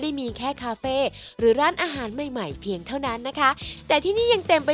ได้มีแค่คาเฟ่หรือร้านอาหารใหม่ใหม่เพียงเท่านั้นนะคะแต่ที่นี่ยังเต็มไป